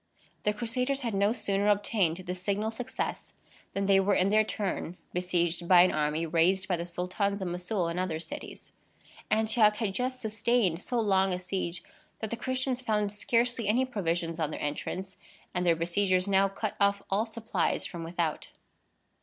The Crusaders had no sooner obtained this signal success than they were in their turn besieged by an army raised by the Sultans of Mossoul and other cities. Antioch had just sustained so long a siege, that the Christians found scarcely any provisions on their entrance, and their besiegers now cut off all supplies from without.